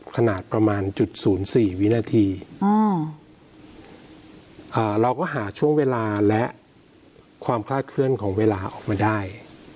ขนาดประมาณจุด๐๔วินาทีเราก็หาช่วงเวลาและความคลาดเคลื่อนของเวลาออกมาได้